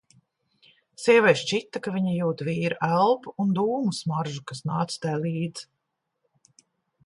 Sievai šķita, ka viņa jūt vīra elpu un dūmu smaržu, kas nāca tai līdz.